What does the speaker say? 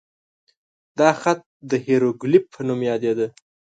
دا خط د هیروګلیف په نوم یادېده.